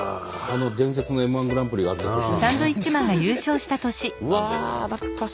あの伝説のＭ−１グランプリがあった年ですね。